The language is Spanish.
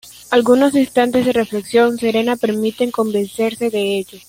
Algunos instantes de reflexión serena permiten convencerse de ello.